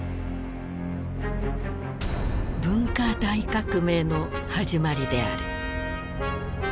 文化大革命の始まりである。